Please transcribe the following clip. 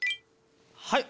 はい！